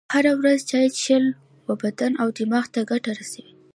هره ورځ چایی چیښل و بدن او دماغ ته ګټه رسوي.